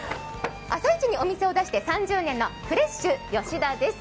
朝市にお店を出して３０年のフレッシュ吉田です。